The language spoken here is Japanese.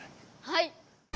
はい。